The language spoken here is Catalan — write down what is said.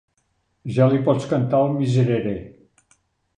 Ja li pots cantar el miserere.